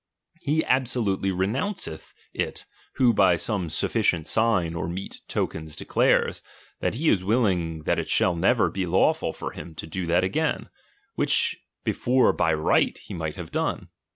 He absolutely renounceth it, who by some sufficient sign or meet tokens declai'es, that lie is willing that it shall never be lawful for him to do that again, which before by right he might hare done.